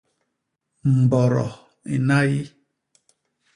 Mbodo i nnay.